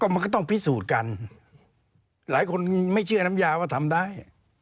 มันก็ต้องพิสูจน์กันหลายคนไม่เชื่อน้ำยาว่าทำได้